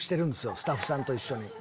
スタッフさんと一緒に。